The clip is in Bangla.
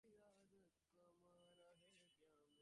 আমি তো কিছুই জানি না।